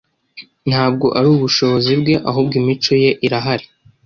Ntabwo ari ubushobozi bwe, ahubwo imico ye irahari.